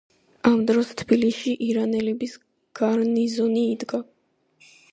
ამ დროს ᲗბილისᲨი ირანელების გარნიზონი იდგა.